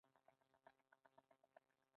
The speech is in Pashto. په افغانستان کې دښتې ډېر اهمیت لري.